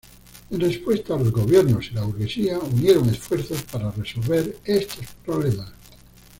En respuesta, los gobiernos y la burguesía unieron esfuerzos para resolver estos problemas.